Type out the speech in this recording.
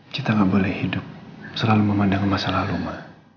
kita gak boleh hidup selalu memandang masa lalu mbak